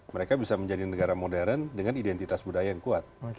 mereka bisa menjadi negara modern dengan identitas budaya yang kuat